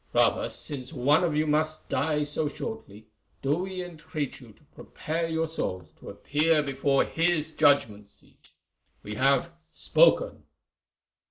Rather, since one of you must die so shortly, do we entreat you to prepare your souls to appear before His judgment seat. We have spoken."